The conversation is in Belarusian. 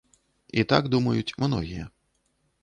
І так думаюць многія.